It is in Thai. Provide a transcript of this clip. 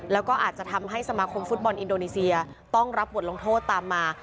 แล้วก็อาจจะทำให้สมาคมฟุตบอลอินโดนีเซียต้องรับบทลงโทษตามมา